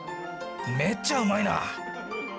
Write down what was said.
めっちゃうまいな！